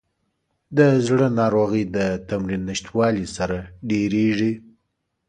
د زړه ناروغۍ د تمرین نشتوالي سره ډېریږي.